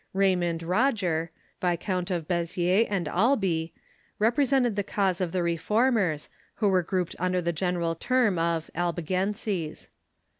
Raymond Roger, Vis count of Beziers and Albi, represented the cause of the re formers, who were grouped under the general term of Albi genses.